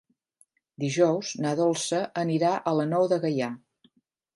Dijous na Dolça anirà a la Nou de Gaià.